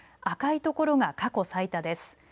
赤いところが過去最多です。